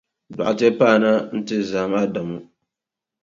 Dɔɣite paana nti zahim Adamu.